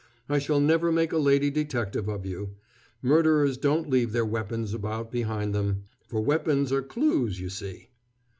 I shall never make a lady detective of you. Murderers don't leave their weapons about behind them, for weapons are clews, you see."